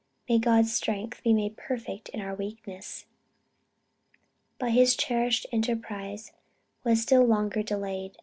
May God's strength be made perfect in our weakness." But his cherished enterprise was still longer delayed.